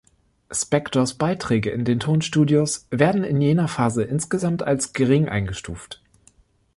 Spectors Beiträge in den Tonstudios werden in jener Phase insgesamt als gering eingestuft.